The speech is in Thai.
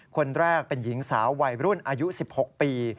คนแรกเป็นหญิงสาววัยรุ่นอายุ๑๖ปี